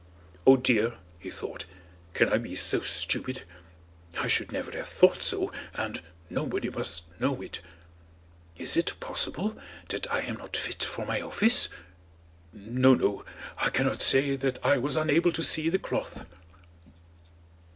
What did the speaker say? "Oh dear," he thought, "can I be so stupid? I should never have thought so, and nobody must know it! Is it possible that I am not fit for my office? No, no, I cannot say that I was unable to see the cloth."